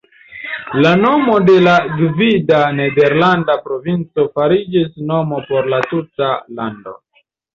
La nomo de la gvida nederlanda provinco fariĝis nomo por la tuta lando.